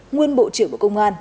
nguyên bộ trưởng bộ công an